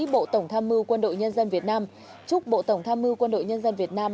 bộ tổng tham mưu quân đội nhân dân việt nam chúc bộ tổng tham mưu quân đội nhân dân việt nam